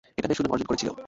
এটা বেশ সুনাম অর্জন করেছিল।